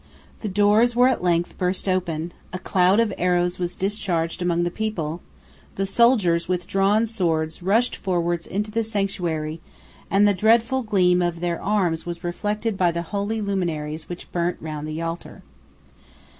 The doors were at length burst open: a cloud of arrows was discharged among the people; the soldiers, with drawn swords, rushed forwards into the sanctuary; and the dreadful gleam of their arms was reflected by the holy luminaries which burnt round the altar.